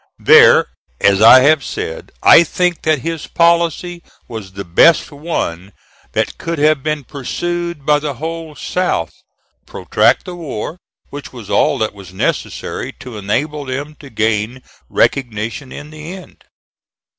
There, as I have said, I think that his policy was the best one that could have been pursued by the whole South protract the war, which was all that was necessary to enable them to gain recognition in the end.